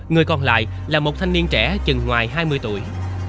người còn lại là một thanh niên trẻ chừng ngoài hai mươi tuổi